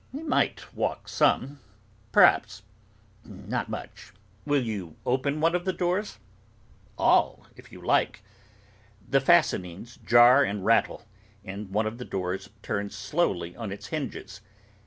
'He might walk some, perhaps—not much.' 'Will you open one of the doors?' 'All, if you like.' The fastenings jar and rattle, and one of the doors turns slowly on its hinges.